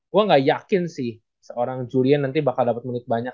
gue gak yakin sih seorang julien nanti bakal dapet menit banyak